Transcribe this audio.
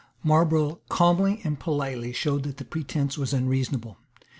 Marlborough calmly and politely showed that the pretence was unreasonable.